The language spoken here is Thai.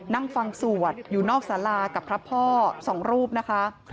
นั่งฟังสวดอยู่นอกสารากับพระพ่อ๒รูปนะคะ